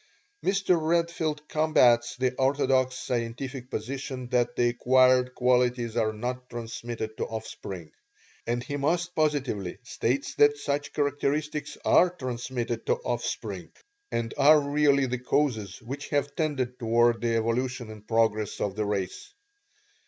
Mr. Redfield combats the orthodox scientific position that the acquired qualities are not transmitted to offspring; and he most positively states that such characteristics are transmitted to offspring, and are really the causes which have tended toward the evolution and progress of the race.